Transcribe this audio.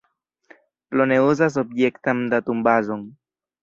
Plone uzas objektan datumbazon.